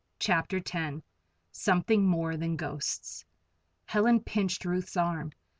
CHAPTER X SOMETHING MORE THAN GHOSTS Helen pinched Ruth's arm.